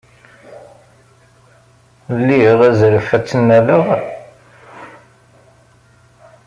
Liɣ azref ad tt-nnaleɣ?